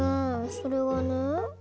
それはね